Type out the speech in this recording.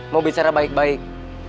mau bicara baik baik